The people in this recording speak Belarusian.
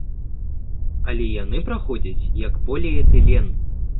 Але яны праходзяць як поліэтылен.